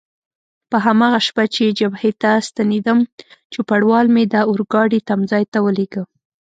په هماغه شپه چې جبهې ته ستنېدم، چوپړوال مې د اورګاډي تمځای ته ولېږه.